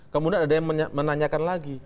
kemudian ada yang menanyakan lagi